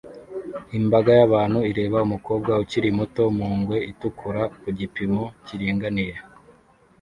Imbaga y'abantu ireba umukobwa ukiri muto mu ngwe itukura ku gipimo kiringaniye